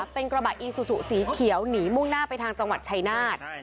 เป็นกระบะอีซูซูสีเขียวหนีมุ่งหน้าไปทางจังหวัดชายนาฏ